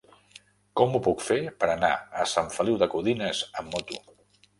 Com ho puc fer per anar a Sant Feliu de Codines amb moto?